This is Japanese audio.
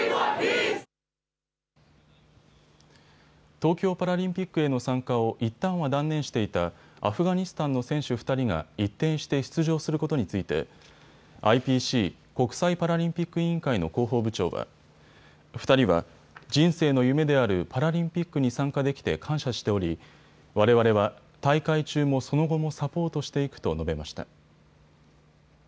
東京パラリンピックへの参加をいったんは断念していたアフガニスタンの選手２人が一転して出場することについてＩＰＣ・国際パラリンピック委員会の広報部長は２人は人生の夢であるパラリンピックに参加できて感謝しておりわれわれは大会中もその後もサポートしていくと述べました。